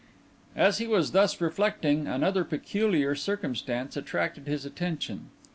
As he was thus reflecting, another peculiar circumstance attracted his attention.